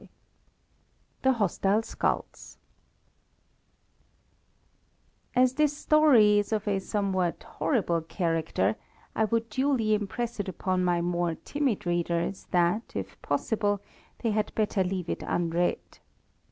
VIII THE HOSTILE SKULLS As this story is of a somewhat horrible character, I would duly impress it upon my more timid readers that, if possible, they had better leave it unread.